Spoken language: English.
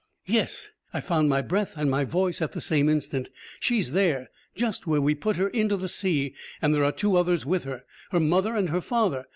"Yes." I found my breath and my voice at the same instant. "She's there, just where we put her into the sea, and there are two others with her her mother and her father.